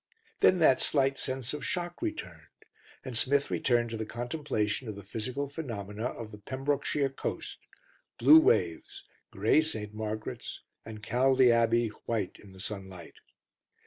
Then that slight sense of shock returned, and Smith returned to the contemplation of the physical phenomena of the Pembrokeshire coast blue waves, grey St. Margaret's, and Caldy Abbey white in the sunlight.